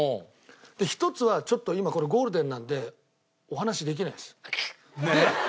１つはちょっと今これゴールデンなんでお話しできないです。